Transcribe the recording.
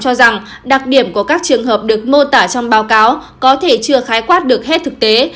cho rằng đặc điểm của các trường hợp được mô tả trong báo cáo có thể chưa khái quát được hết thực tế